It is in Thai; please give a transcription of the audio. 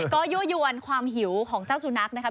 ก็ยั่วยวนความหิวของเจ้าสุนัขนะครับ